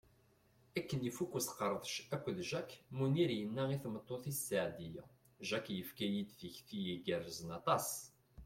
Akken ifuk usqerdec akked Jack, Munir yenna i tmeṭṭut-is Seɛdiya: Jack yefka-yi-d tikti igerrzen aṭas.